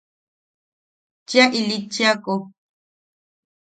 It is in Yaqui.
Chea ilittiako.